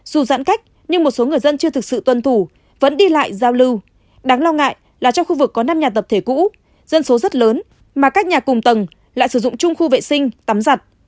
dù giãn cách nhưng một số người dân chưa thực sự tuân thủ vẫn đi lại giao lưu đáng lo ngại là trong khu vực có năm nhà tập thể cũ dân số rất lớn mà các nhà cùng tầng lại sử dụng chung khu vệ sinh tắm giặt